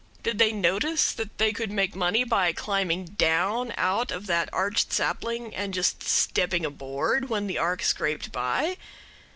Did they notice that they could make money by climbing down out of that arched sapling and just stepping aboard when the ark scraped by?